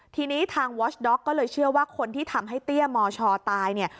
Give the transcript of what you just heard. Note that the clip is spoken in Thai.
ทีนี้ทางวอชด็อกก็เลยเชื่อว่าคนที่ทำให้เตี้ยมชตายเนี่ย